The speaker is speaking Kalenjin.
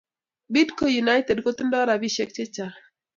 Bidco united ko tindo rapishek che chang